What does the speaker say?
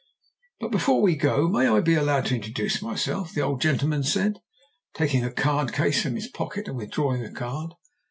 "'But before we go, may I be allowed to introduce myself?' the old gentleman said, taking a card case from his pocket and withdrawing a card.